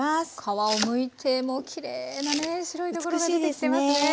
皮をむいてもきれいなね白いところが出てきてますね。